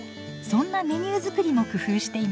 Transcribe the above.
そんなメニュー作りも工夫しています。